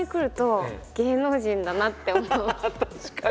確かに。